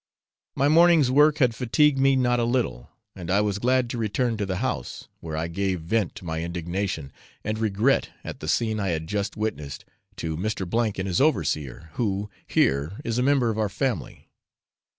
My morning's work had fatigued me not a little, and I was glad to return to the house, where I gave vent to my indignation and regret at the scene I had just witnessed, to Mr. and his overseer, who, here, is a member of our family.